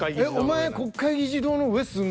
「お前国会議事堂の上住んでんの？